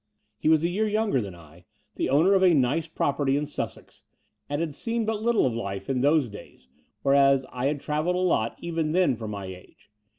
He was a year younger than I, the owner of a nice property in Sussex and had seen but little of life in those days, whereas I had travelled a lot even then for my age.